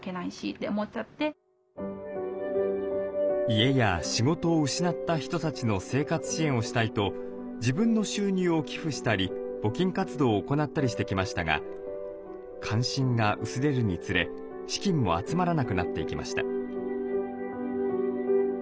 家や仕事を失った人たちの生活支援をしたいと自分の収入を寄付したり募金活動を行ったりしてきましたが関心が薄れるにつれ資金も集まらなくなっていきました。